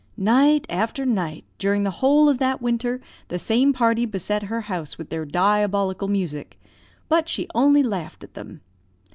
"Night after night, during the whole of that winter, the same party beset her house with their diabolical music; but she only laughed at them.